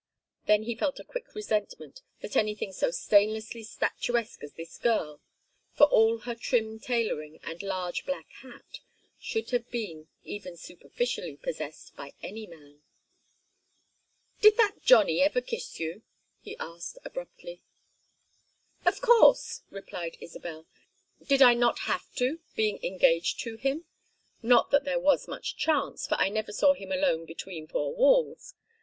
Then he felt a quick resentment that anything so stainlessly statuesque as this girl for all her trim tailoring and large black hat should have been even superficially possessed by any man. "Did that Johnny ever kiss you?" he asked, abruptly. "Of course," replied Isabel. "Did I not have to, being engaged to him? Not that there was much chance, for I never saw him alone between four walls.